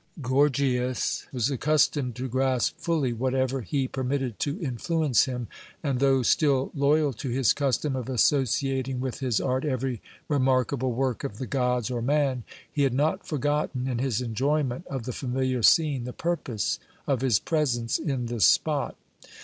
Gorgias was accustomed to grasp fully whatever he permitted to influence him, and though still loyal to his custom of associating with his art every remarkable work of the gods or man, he had not forgotten in his enjoyment of the familiar scene the purpose of his presence in this spot.